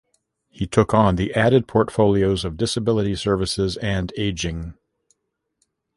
He took on the added portfolios of Disability Services and Ageing.